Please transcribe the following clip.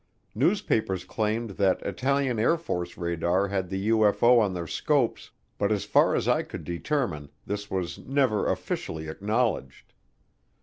Newspapers claimed that Italian Air Force radar had the UFO on their scopes, but as far as I could determine, this was never officially acknowledged.